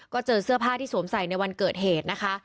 ก็เจอเสื้อผ้าที่สวมใส่ในวันเกิดเหตุนะคะ